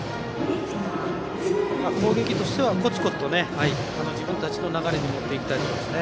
攻撃としてはコツコツと自分たちの流れに持っていきたいところですね。